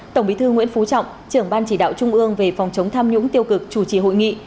tổng bí thư nguyễn phú trọng trưởng ban chỉ đạo trung ương về phòng chống tham nhũng tiêu cực chủ trì hội nghị